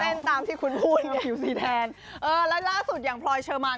ต้องตามที่คุณพูดพี่นะครับผิวสีแทนและล่าสุดอย่างปลอยเชอมัน